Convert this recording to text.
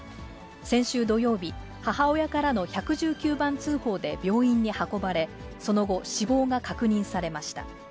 先週土曜日、母親からの１１９番通報で病院に運ばれ、その後、死亡が確認されました。